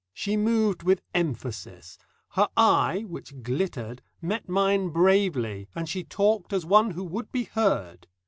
She moved with emphasis. Her eye which glittered met mine bravely, and she talked as one who would be heard.